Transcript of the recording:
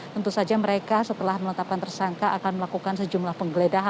tentu saja mereka setelah menetapkan tersangka akan melakukan sejumlah penggeledahan